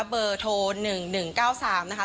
เบอร์โทร๑๑๙๓นะคะ